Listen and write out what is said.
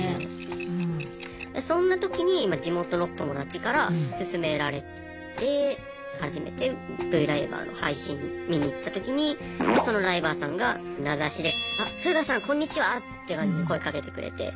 そんな時に地元の友達から勧められて初めてＶライバーの配信見に行った時にそのライバーさんが名指しでって感じで声かけてくれて。